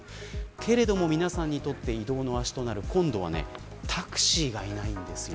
けれども皆さんにとって移動の足となるタクシーがいないんです。